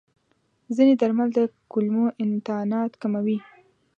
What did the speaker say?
ځینې درمل د کولمو انتانات کموي.